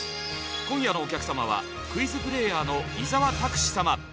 今夜のお客様はクイズプレーヤーの伊沢拓司様。